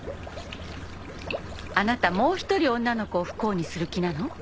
あなたもう１人女の子を不幸にする気なの？